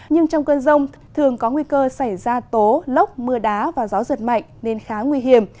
nhưng trong cơn rông thường có nguy cơ xảy ra tố lốc mưa đá và gió giật mạnh nên khá nguy hiểm